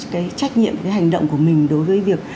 cái trách nhiệm cái hành động của mình đối với việc